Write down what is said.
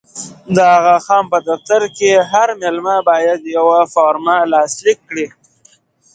د اغا خان په دفتر کې هر مېلمه باید یوه فورمه لاسلیک کړي.